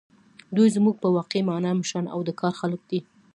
دوی زموږ په واقعي مانا مشران او د کار خلک دي.